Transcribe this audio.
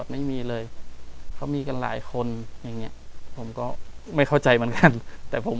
กลับมาที่สุดท้ายและกลับมาที่สุดท้าย